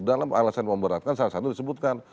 dalam alasan yang memperberatkan salah satu disebutkan